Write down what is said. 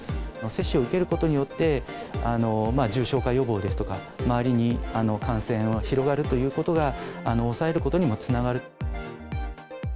接種を受けることによって、重症化予防ですとか、周りに感染を広がるということが、抑えることにもつながる。